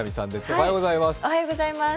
おはようございます。